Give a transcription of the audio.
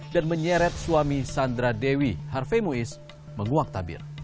dan menyeret suami sandra dewi harvey moise menguak tabir